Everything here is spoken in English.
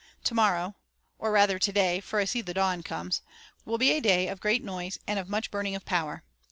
Tomorrow or rather today, for I see the dawn comes will be a day of great noise and of much burning of powder.